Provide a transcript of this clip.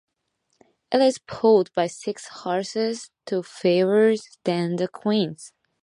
It is pulled by six horses, two fewer than the Queen's.